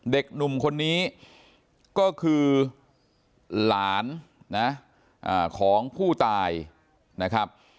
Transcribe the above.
เด็กหนุ่มคนนี้ก็คือหลานนะของผู้ตายนะครับ